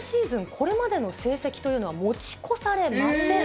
これまでの成績というのは持ち越されません。